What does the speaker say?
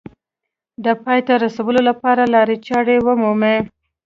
د پای ته رسولو لپاره لارې چارې ومومي